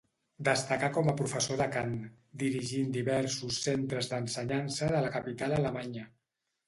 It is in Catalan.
Destacà com a professor de cant, dirigint diversos centres d'ensenyança de la capital alemanya.